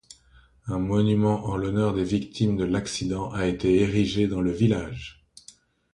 Un monument en l’honneur des victimes de l’accident a été érigé dans le village.